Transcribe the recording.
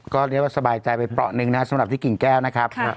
ก็เรียกว่าสบายใจไปเปราะหนึ่งนะสำหรับที่กิ่งแก้วนะครับ